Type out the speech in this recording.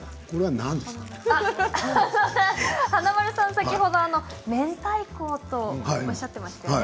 先ほど、めんたいことおっしゃっていましたね。